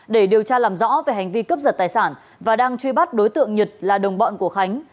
để điều tra làm rõ về hành vi cướp giật tài sản và đang truy bắt đối tượng nhật là đồng bọn của khánh